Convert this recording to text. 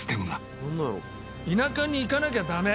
田舎に行かなきゃダメ！